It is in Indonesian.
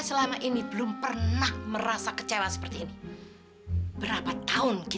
sampai jumpa di video selanjutnya